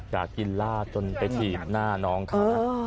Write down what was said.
จากยินล่าจนไปถีบหน้าน้องค่ะ